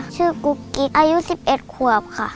ชื่อกุ๊กกิ๊กอายุ๑๑ควบค่ะ